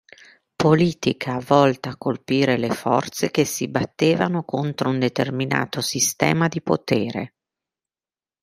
Politica volta a colpire le forze che si battevano contro un determinato sistema di potere.